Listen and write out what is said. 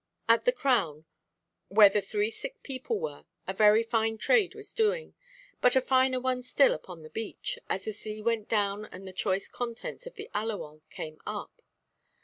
At the Crown, where the three sick people were, a very fine trade was doing; but a finer one still upon the beach, as the sea went down and the choice contents of the Aliwal came up.